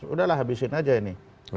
udahlah habisin aja ini